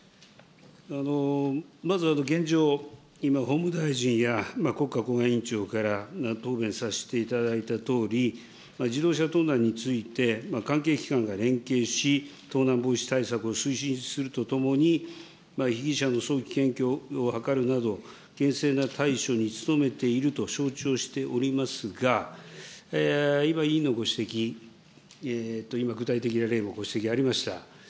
まず現状、今、法務大臣や国家公安委員長から、答弁させていただいたとおり、自動車盗難について、関係機関が連携し、盗難防止対策を推進するとともに、被疑者の早期検挙を図るなど、厳正な対処に努めていると承知をしておりますが、今、委員のご指摘と具体的な例のご指摘ありました。